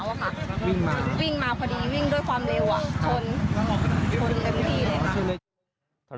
วิ่งมาพอดีวิ่งด้วยความเร็วชนชนเต็มที่เลย